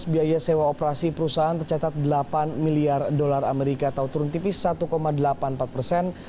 biaya sewa operasi perusahaan tercatat delapan miliar dolar amerika atau turun tipis satu delapan puluh empat persen